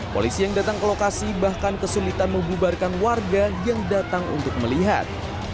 polisi yang datang ke lokasi bahkan kesulitan membubarkan warga yang datang untuk melihat